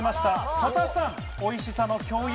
曽田さん、おいしさの共有